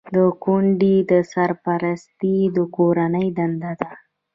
د کونډې سرپرستي د کورنۍ دنده ده.